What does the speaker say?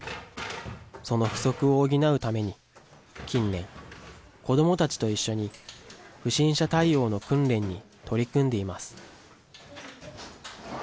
その不足を補うために、近年、子どもたちと一緒に不審者対応の訓練に取り組んでいます。